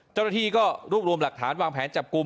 เจ้าหน้าที่ก็รวบรวมหลักฐานวางแผนจับกลุ่ม